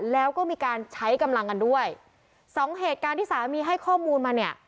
แล้วก็มีการใช้กำลังกันด้วยสองเหตุการณ์ที่สามีให้ข้อมูลมาเนี่ย